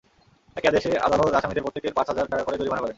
একই আদেশে আদালত আসামিদের প্রত্যেকের পাঁচ হাজার টাকা করে জরিমানা করেন।